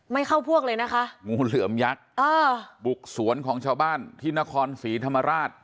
ไม่เข้าพวกเลยนะคะงูเหลือมยักษ์เออบุกสวนของชาวบ้านที่นครศรีธรรมราช